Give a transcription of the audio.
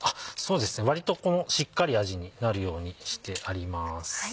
割としっかり味になるようにしてあります。